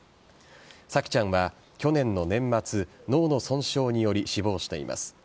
沙季ちゃんは去年の年末脳の損傷により死亡しています。